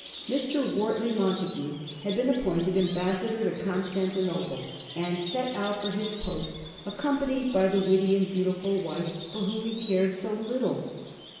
Mr. Wortley Montagu had been appointed Ambassador to Constan tinople, and had set out for his post, accompanied by the witty and beautiftil wife for whom he cared «o little.